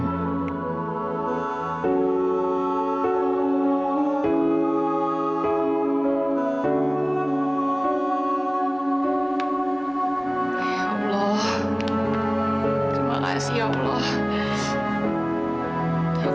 ya allah terima kasih ya allah